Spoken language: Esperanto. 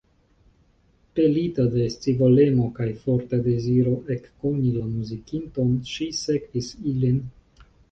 Pelita de scivolemo kaj forta deziro ekkoni la muzikinton, ŝi sekvis ilin.